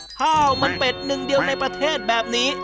ข้าวมันเป็ดหนึ่งเดียวในประเทศแบบนี้